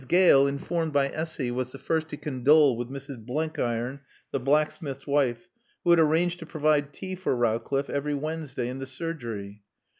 Gale, informed by Essy, was the first to condole with Mrs. Blenkiron, the blacksmith's wife, who had arranged to provide tea for Rowcliffe every Wednesday in the Surgery.